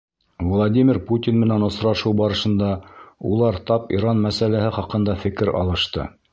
Владимир Путин менән осрашыу барышында улар тап Иран мәсьәләһе хаҡында фекер алышты.